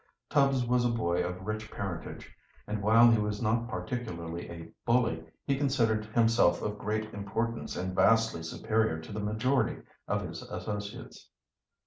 Tubbs was a boy of rich parentage, and while he was not particularly a bully, he considered himself of great importance and vastly superior to the majority of his associates.